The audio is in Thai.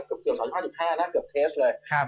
เกือบ๓๕นะเกือบเคสเลย